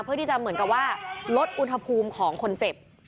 เพื่อที่จะเหมือนกับว่าลดอุณหภูมิของคนเจ็บ